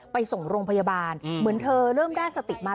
ไปส่งโรงพยาบาลเหมือนเธอเริ่มได้สติมา